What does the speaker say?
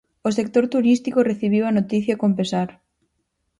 O sector turístico recibiu a noticia con pesar.